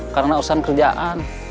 karena urusan kerjaan